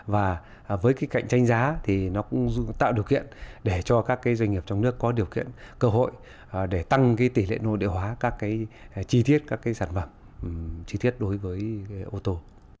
và với cái cạnh tranh giá thì nó cũng tạo điều kiện để cho các doanh nghiệp trong nước có điều kiện cơ hội để tăng cái tỷ lệ nội địa hóa các cái chi tiết các cái sản phẩm chi tiết đối với ô tô